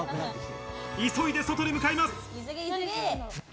急いで外に向かいます。